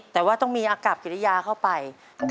แต่ว่าต้องมีอากับกิริยาเข้าไป